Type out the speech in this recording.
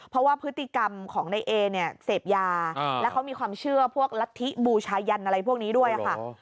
เพราะว่าพฤติกรรมของในเอเนี่ยเสพยาแล้วเขามีความเชื่อพวกลัทธิบูชายันอะไรพวกนี้ด้วยค่ะ